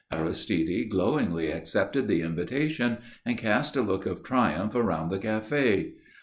Aristide glowingly accepted the invitation and cast a look of triumph around the café.